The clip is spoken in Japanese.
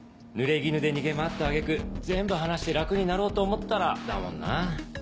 ぬれぎぬで逃げ回った揚げ句全部話して楽になろうと思ったらだもんなぁ。